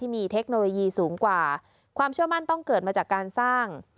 มีเทคโนโลยีสูงกว่าความเชื่อมั่นต้องเกิดมาจากการสร้าง